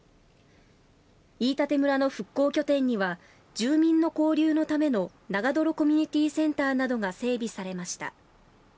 飯舘村の復興拠点には住民の交流のための長泥コミュニティーセンターなどが整備されました。